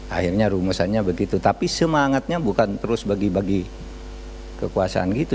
akhirnya rumusannya begitu tapi semangatnya bukan terus bagi bagi kekuasaan gitu